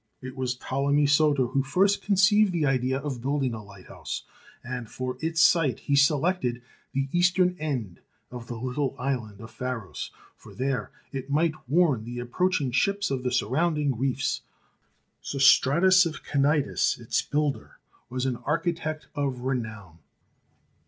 It was Ptolemy Soter who first conceived the idea of building a lighthouse, and for its site he selected the eastern end of the little island of Pharos, for there it might warn the approaching ships of the surrounding reefs. Sostratus, of Cnidus, its builder, was an architect of renown.